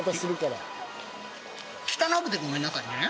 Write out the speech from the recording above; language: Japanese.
汚くてごめんなさいね。